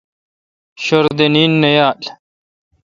شوردے نین نہ یال۔